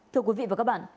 thưa quý vị và các bạn